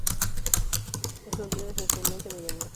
Es un río esencialmente de llanura.